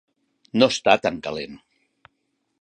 No està tan calent!